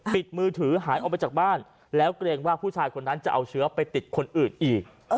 มือถือหายออกไปจากบ้านแล้วเกรงว่าผู้ชายคนนั้นจะเอาเชื้อไปติดคนอื่นอีก